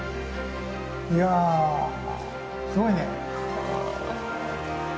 いやすごいね。